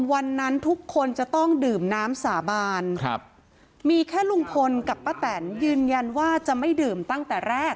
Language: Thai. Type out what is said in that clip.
วันนั้นทุกคนจะต้องดื่มน้ำสาบานครับมีแค่ลุงพลกับป้าแตนยืนยันว่าจะไม่ดื่มตั้งแต่แรก